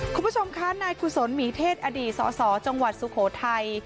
คุณผู้ชมคะนายกุศลหมีเทศอดีตสสจังหวัดสุโขทัย